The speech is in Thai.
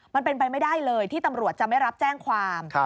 มันเป็นไปไม่ได้เลยที่ตำรวจจะไม่รับแจ้งความ